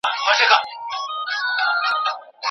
په غزل کي مي هر توری نا آرام سو